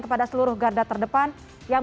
kepada seluruh garda terdepan yang